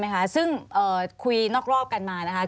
ไหมคะซึ่งคุยนอกรอบกันมานะคะ